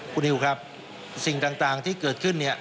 คุณนิวครับสิ่งต่างที่เกิดขึ้นเนี่ย